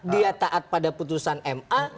dia taat pada putusan ma